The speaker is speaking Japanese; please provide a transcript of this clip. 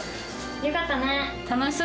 よかったね。